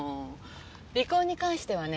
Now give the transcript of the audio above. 離婚に関してはね